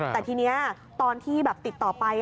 แต่ทีนี้ตอนที่ติดต่อไป